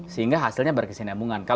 sehingga hasilnya berkesinambungan